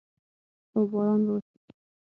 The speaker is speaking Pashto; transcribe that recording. هو، باران به وشي